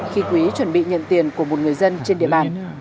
khi quý chuẩn bị nhận tiền của một người dân trên địa bàn cầm lệ